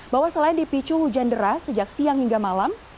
bahwa selain dipicu hujan deras sejak siang hingga malam